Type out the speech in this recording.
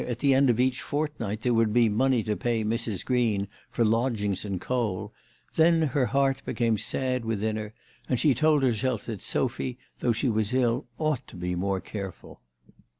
at the end of each fortnight there would he money to pay Mrs. Green for lodgings and coal, then her heart hecame sad within her, and she told herself that Sophy, though she was ill, ought to he more careful.